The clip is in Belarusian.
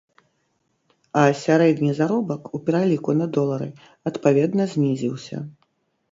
А сярэдні заробак у пераліку на долары адпаведна знізіўся.